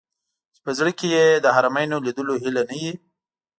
چې په زړه کې یې د حرمینو لیدلو هیله نه وي.